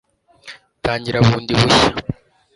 tangira bundi bushya